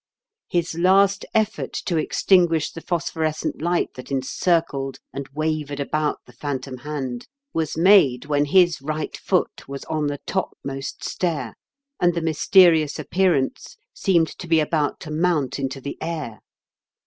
His last effort to extinguish the phosphor escent light that encircled and wavered about the phantom hand, was made when his right 106 IN KENT WITH CEABLE8 DICKENS. foot was on the topmost stair, and the mysterious appearance seemed to be about to mount into the air.